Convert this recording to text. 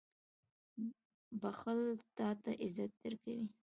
• بښل تا ته عزت درکوي.